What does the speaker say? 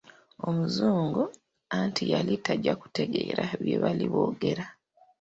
Omuzungu, anti yali tajja kutegeera bye baali boogera.